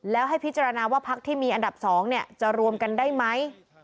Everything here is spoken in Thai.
แล้วให้พิจารณาว่าพักที่มีอันดับ๒จะรวมกันได้ไหม